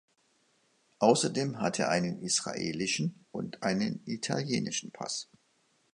Außerdem hat er einen israelischen und einen italienischen Pass.